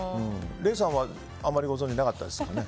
礼さんはあまりご存じなかったですよね。